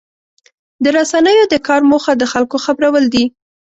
د رسنیو د کار موخه د خلکو خبرول دي.